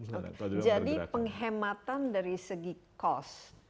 jadi penghematan dari segi cost